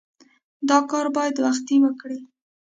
دا کار باید وختي وکړې.